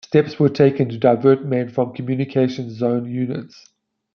Steps were taken to divert men from Communications Zone units.